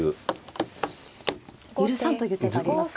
許さんという手がありますか。